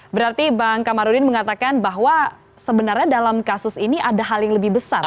berarti bang kamarudin mengatakan bahwa sebenarnya dalam kasus ini ada hal yang lebih besar